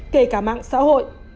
kể cả mạng xã hội